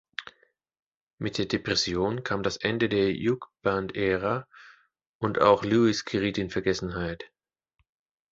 Mit der Depression kam das Ende der Jugband-Ära, und auch Lewis geriet in Vergessenheit.